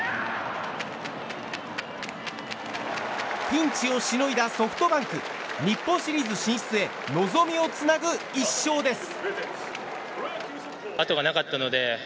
ピンチをしのいだソフトバンク。日本シリーズ進出へ望みをつなぐ一勝です。